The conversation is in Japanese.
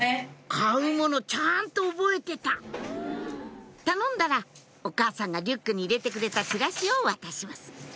買うものちゃんと覚えてた頼んだらお母さんがリュックに入れてくれたチラシを渡します